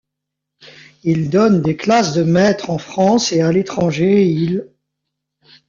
Il donne des classes de maître en France et à l'étranger il.